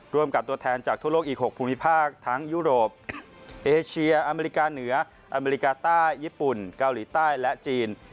รวมกับตัวแทนจากทั่วโลกอีก๖ภูมิภาคทั้งยุโรปเอเชียอเมริกาเหนืออเมริกาใต้ญี่ปุ่นเกาหลีใต้และจีน